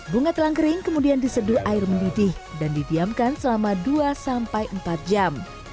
bunga telang kering kemudian diseduh air mendidih dan didiamkan selama dua sampai empat jam